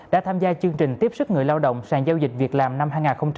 đã tham gia chương trình tiếp sức người lao động sàn giao dịch việc làm năm hai nghìn hai mươi bốn